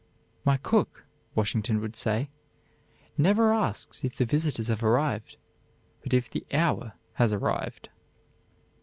"My cook," Washington would say, "never asks if the visitors have arrived, but if the hour has arrived."